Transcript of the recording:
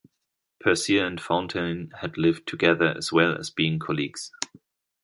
Percier and Fontaine had lived together as well as being colleagues.